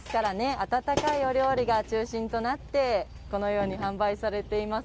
温かいお料理が中心となってこのように販売されています。